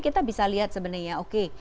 kita bisa lihat sebenarnya oke